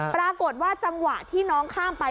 ปรากฏว่าจังหวะที่น้องข้ามไป